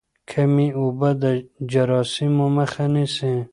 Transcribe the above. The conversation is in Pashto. کمې اوبه د جراثیمو مخه نیسي.